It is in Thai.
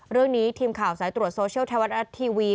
เรื่องนี้ทีมข่าวสายตรวจโซเชียลไทยวัตรรัฐทีวี